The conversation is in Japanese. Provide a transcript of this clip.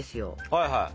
はいはい。